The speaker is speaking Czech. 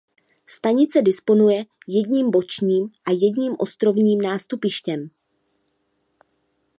Stanice disponuje jedním bočním a jedním ostrovním nástupištěm.